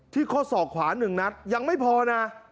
ข้อศอกขวา๑นัดยังไม่พอนะ